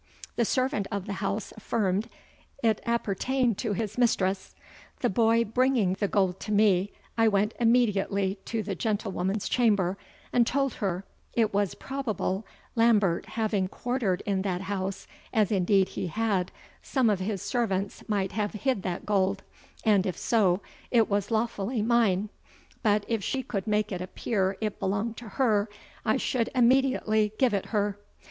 The servant of the house affirmed it appertained to his mistres. The boy bringing the gold to me, I went immediatlie to the gentlewomans chamber, and told her, it was probable Lambert haveing quarterd in that house, as indeed he had, some of his servants might have hid that gold; and if so, it was lawfullie mine; bot if she could make it appeare it belongd to her, I should immediatlie give it her.